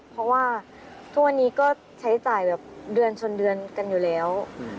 เพราะว่าทุกวันนี้ก็ใช้จ่ายแบบเดือนชนเดือนกันอยู่แล้ว